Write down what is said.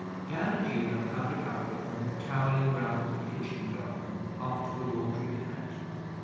Dan and Una found a couple of them towling round the kitchen garden after the laundry cat.